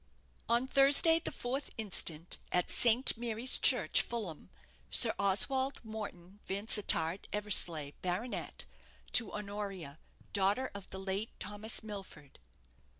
"_On Thursday, the 4th instant, at St. Mary's Church, Fulham, Sir Oswald Morton Vansittart Eversleigh, Bart., to Honoria daughter of the late Thomas Milford.